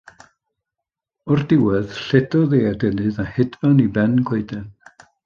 O'r diwedd lledodd ei adenydd a hedfan i ben coeden.